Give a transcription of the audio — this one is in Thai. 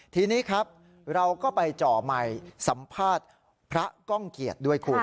ทีนี้ครับเราก็ไปจ่อใหม่สัมภาษณ์พระก้องเกียจด้วยคุณ